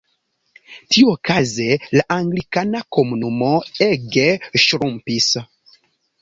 Tiuokaze la anglikana komunumo ege ŝrumpis.